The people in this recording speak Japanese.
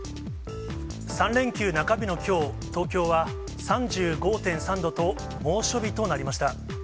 ３連休中日のきょう、東京は３５．３度と、猛暑日となりました。